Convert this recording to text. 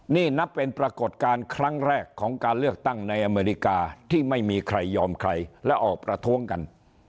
นี่นับเป็นปรากฏการณ์ครั้งแรกของการเลือกตั้งในอเมริกาที่ไม่มีใครยอมใครและออกประท้วงกัน